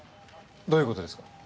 どういうことですか？